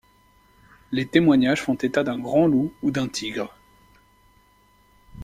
Les témoignages font état d'un grand loup ou d'un tigre.